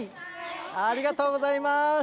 ありがとうございます。